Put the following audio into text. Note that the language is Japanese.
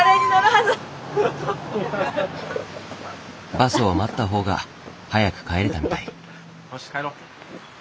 バスを待ったほうが早く帰れたみたい。